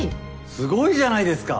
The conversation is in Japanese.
すごいじゃないですか。